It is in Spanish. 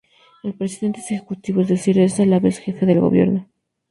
El presidente es ejecutivo, es decir es a la vez jefe del gobierno.